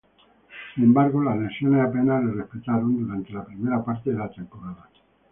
Sin embargo, las lesiones apenas le respetaron durante la primera parte de la temporada.